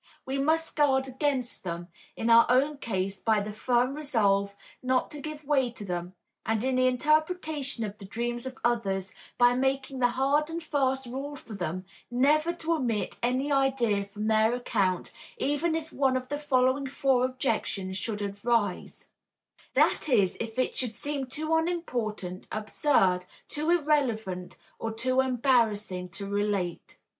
We must guard against them, in our own case by the firm resolve not to give way to them; and in the interpretation of the dreams of others by making the hard and fast rule for them, never to omit any idea from their account, even if one of the following four objections should arise: that is, if it should seem too unimportant, absurd, too irrelevant or too embarrassing to relate.